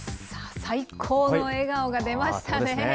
最高の笑顔が出ましたね。